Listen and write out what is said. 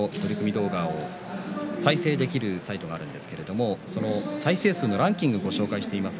動画を再生できるサイトがあるんですけれども再生数のランキングをご紹介しています。